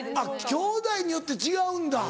きょうだいによって違うんだ。